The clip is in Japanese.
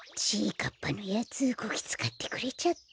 かっぱのやつこきつかってくれちゃって。